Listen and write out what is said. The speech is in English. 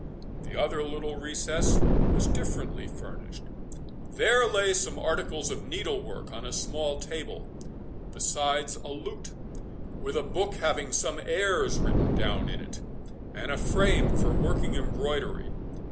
The other little recess was differently furnished. There lay some articles of needle work on a small table, besides a lute, with a book having some airs written down in it, and a frame for working embroidery.